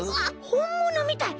ほんものみたい。